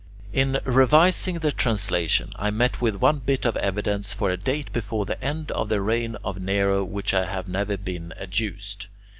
In revising the translation, I met with one bit of evidence for a date before the end of the reign of Nero which I have never seen adduced.